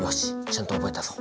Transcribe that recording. ちゃんと覚えたぞ。